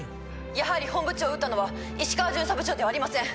やはり本部長を撃ったのは石川巡査部長ではありません。